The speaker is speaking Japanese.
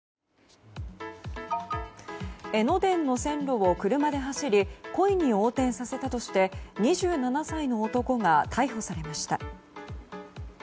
江ノ電の線路を車で走り故意に横転させたとして２７歳の男が逮捕されました。